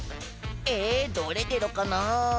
えどれゲロかな？